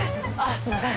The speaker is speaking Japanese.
すみません。